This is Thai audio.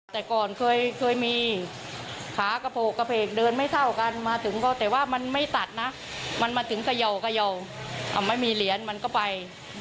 แต่ก่อนเคยมีขากระโพกกระเพกเดินไม่เท่ากันมาถึงก็แต่ว่ามันไม่ตัดนะมันมาถึงเขย่าไม่มีเหรียญมันก็ไป